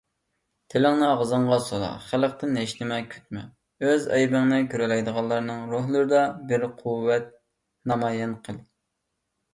تىلىڭنى ئاغزىڭغا سولا، خەلقتىن ھېچنېمە كۈتمە، ئۆز ئەيىبىڭنى كۆرەلەيدىغانلارنىڭ روھلىرىدا بىر قۇۋۋەت نامايان قىل.